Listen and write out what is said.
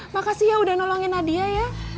makasih ya udah nolongin nadia ya